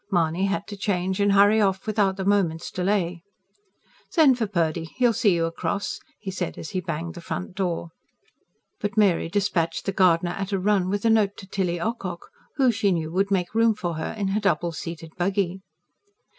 Mahony had to change and hurry off, without a moment's delay. "Send for Purdy. He'll see you across," he said as he banged the front door. But Mary despatched the gardener at a run with a note to Tilly Ocock, who, she knew, would make room for her in her double seated buggy.